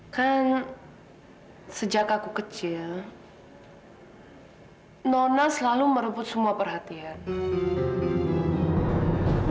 kan sejak aku kecil nonna selalu merebut semua perhatian